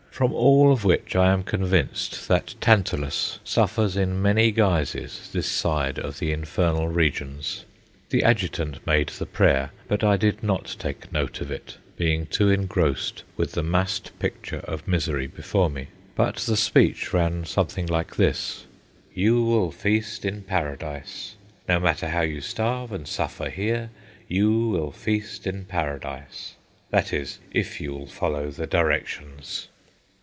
From all of which I am convinced that Tantalus suffers in many guises this side of the infernal regions. The adjutant made the prayer, but I did not take note of it, being too engrossed with the massed picture of misery before me. But the speech ran something like this: "You will feast in Paradise. No matter how you starve and suffer here, you will feast in Paradise, that is, if you will follow the directions."